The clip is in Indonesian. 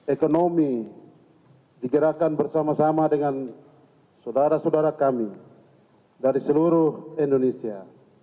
ekonomi digerakkan bersama sama dengan saudara saudara kami dari seluruh indonesia